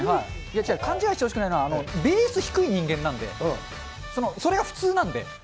違う、勘違いしてほしくないのは、ベース低い人間なんで、それが普通なんで。